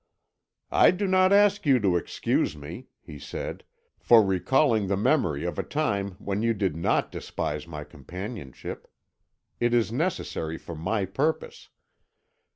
"I do not ask you to excuse me," he said, "for recalling the memory of a time when you did not despise my companionship. It is necessary for my purpose.